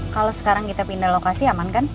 kalau sekarang kita pindah lokasi aman kan